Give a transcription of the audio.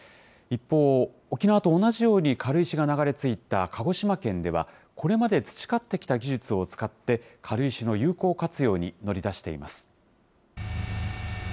一方、沖縄と同じように軽石が流れ着いた鹿児島県では、これまで培ってきた技術を使って、軽石の有効活用に乗り出しています。